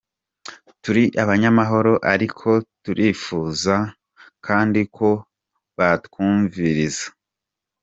"Turi abanyamahoro ariko turipfuza kandi ko batwumviriza.